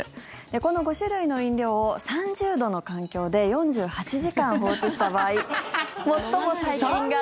この５種類の飲料を３０度の環境で４８時間放置した場合最も細菌が。